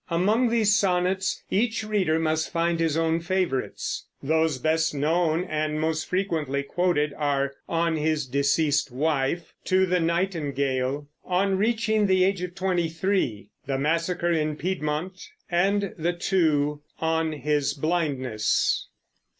Among these sonnets each reader must find his own favorites. Those best known and most frequently quoted are "On His Deceased Wife," "To the Nightingale," "On Reaching the Age of Twenty three," "The Massacre in Piedmont," and the two "On His Blindness."